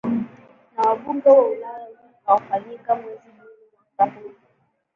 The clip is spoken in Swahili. na wabunge wa ulaya utakaofanyika mwezi juni mwaka huu